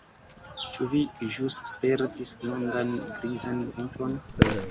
Ĉu vi ĵus spertis longan grizan vintron?